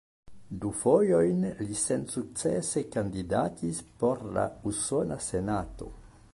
Du fojojn li sensukcese kandidatis por la Usona Senato.